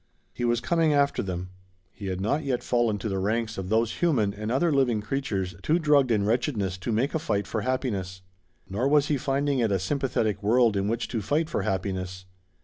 He was coming after them. He had not yet fallen to the ranks of those human and other living creatures too drugged in wretchedness to make a fight for happiness. Nor was he finding it a sympathetic world in which to fight for happiness.